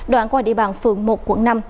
đoạn qua địa bàn phường một quận năm